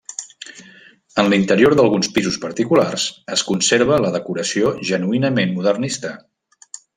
En l'interior d'alguns pisos particulars es conserva la decoració genuïnament modernista.